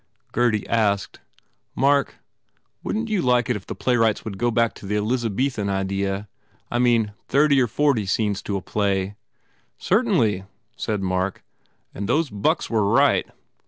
Gurdy asked, "Mark, wouldn t you like it if the playwrights would go back to the Elizabethan idea I mean thirty or forty scenes to a play?" "Certainly," said Mark, "and those bucks were right."